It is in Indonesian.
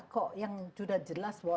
kok yang sudah jelas bahwa